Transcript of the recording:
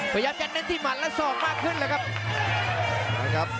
พยายามจะเน้นที่หัดและศอกมากขึ้นแล้วครับ